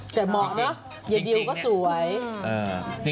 แต่เหมาะนะเยอร์ดิวก็สวย